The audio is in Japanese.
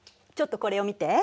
ちょっとこれを見て。